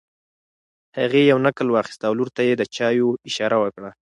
هغې یو نقل واخیست او لور ته یې د چایو اشاره وکړه.